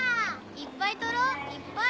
いっぱい撮ろういっぱい！